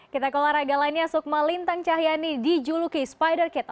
kita ke olahraga lainnya sukma lintang cahyani dijuluki spider kit